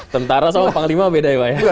tentara sama panglima beda ya pak ya